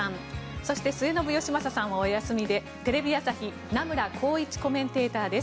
そして、末延吉正さんはお休みでテレビ朝日名村晃一コメンテーターです。